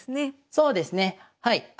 そうですねはい。